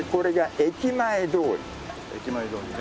駅前通ね。